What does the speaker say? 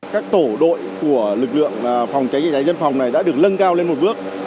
các tổ đội của lực lượng phòng cháy cháy dân phòng này đã được lân cao lên một bước